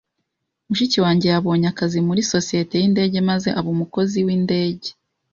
Mushiki wanjye yabonye akazi muri sosiyete yindege maze aba umukozi windege.